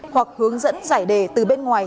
hoặc hướng dẫn giải đề từ bên ngoài